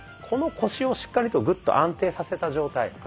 この腰をしっかりとグッと安定させた状態